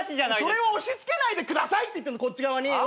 それを押し付けないでくださいって言ってんのこっち側に。